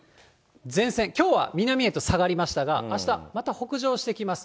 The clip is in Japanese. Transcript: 前線、きょうは南へと下がりましたが、あした、また北上してきます。